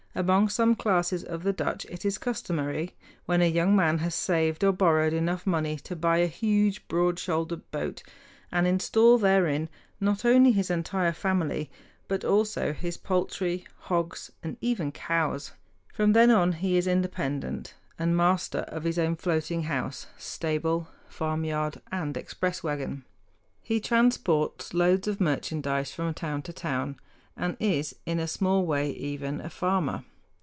Among some classes of the Dutch it is customary, when a young man has saved or borrowed enough money, to buy a huge, broad shouldered boat and install therein not only his entire family, but also his poultry, hogs, and even cows. From then on he is independent, and master of his own floating house, stable, farmyard, and express wagon. He transports loads of merchandise from town to town, and is in a small way even a farmer.